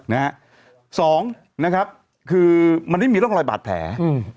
๒มันไม่มีร่องรอยบาดแผล